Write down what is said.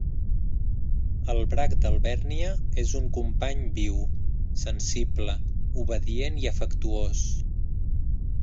El brac d'Alvèrnia és un company viu, sensible, obedient i afectuós.